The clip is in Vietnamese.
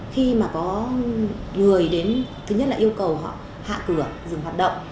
khi mà có người đến thứ nhất là yêu cầu họ hạ cửa dừng hoạt động